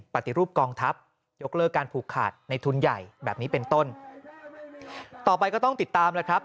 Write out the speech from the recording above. ปฏิรูปกองทัพยกเลิกการผูกขาดในทุนใหญ่แบบนี้เป็นต้นต่อไปก็ต้องติดตามแล้วครับ